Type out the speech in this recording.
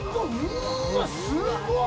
うっわ、すっごい！